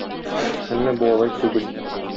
Әмма бу алай түгел.